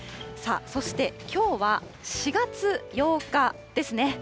さあそして、きょうは４月８日ですね。